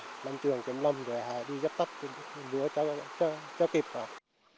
rồi đi dấp tấp cho kịp